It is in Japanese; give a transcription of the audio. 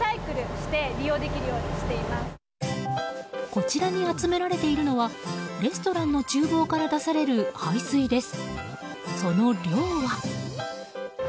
こちらに集められているのはレストランの厨房から出される排水です。